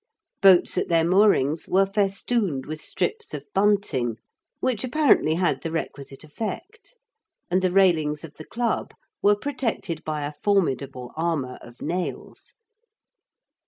Boats at their moorings were festooned with strips of bunting, which apparently had the requisite effect, and the railings of the club were protected by a formidable armour of nails.